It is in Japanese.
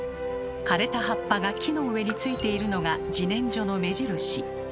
枯れた葉っぱが木の上についているのが自然薯の目印。